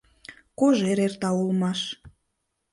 Кожер эрта улмаш.